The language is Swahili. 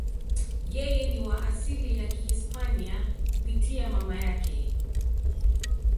Yeye ni wa asili ya Kihispania kupitia mama yake.